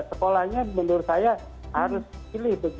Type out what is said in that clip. sekolahnya menurut saya harus pilih